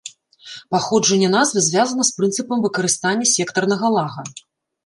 Паходжанне назвы звязана з прынцыпам выкарыстання сектарнага лага.